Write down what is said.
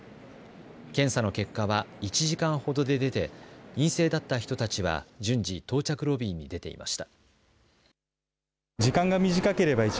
検査の結果は１時間ほどで出て陰性だった人たちは順次到着ロビーに出ていました。